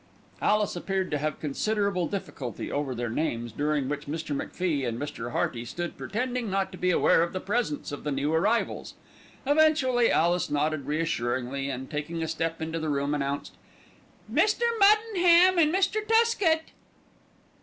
Alice appeared to have considerable difficulty over their names, during which Mr. MacFie and Mr. Hearty stood pretending not to be aware of the presence of the new arrivals. Eventually Alice nodded reassuringly and, taking a step into the room, announced: "Mr. Muddenham and Mr. Tuskett."